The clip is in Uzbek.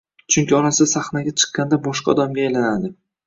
Chunki onasi sahnaga chiqqanda boshqa odamga aylanadi.